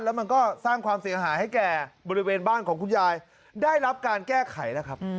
แล้วมันก็สร้างความเสียหายให้แก่บริเวณบ้านของคุณยายได้รับการแก้ไขแล้วครับ